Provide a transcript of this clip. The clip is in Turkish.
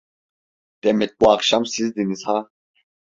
Demek bu akşam sizdiniz ha?